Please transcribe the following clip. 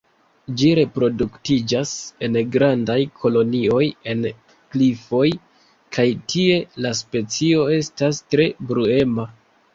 Ĝi reproduktiĝas en grandaj kolonioj en klifoj kaj tie la specio estas tre bruema.